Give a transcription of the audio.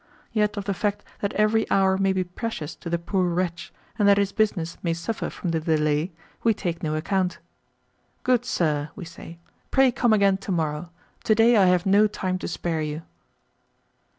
Yet of the fact that every hour may be precious to the poor wretch, and that his business may suffer from the delay, we take no account. "Good sir," we say, "pray come again to morrow. To day I have no time to spare you."